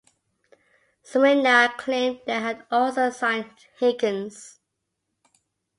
Smyrna claimed they had also signed Higgins.